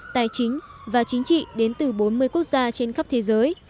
tài chính và chính trị đến từ bốn mươi quốc gia trên khắp thế giới